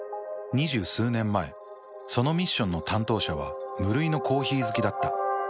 ２０数年前そのミッションの担当者は無類のコーヒー好きだった。